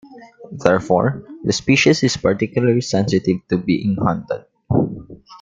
Therefore, the species is particularly sensitive to being hunted.